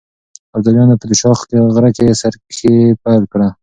ابداليانو په دوشاخ غره کې سرکښي پيل کړه.